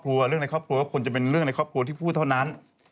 เรื่องในครอบครัวก็ควรจะเป็นเรื่องในครอบครัวที่พูดเท่านั้น